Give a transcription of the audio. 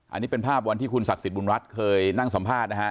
อันนี้เป็นภาพวันที่คุณศักดิ์สิทธิบุญรัฐเคยนั่งสัมภาษณ์นะฮะ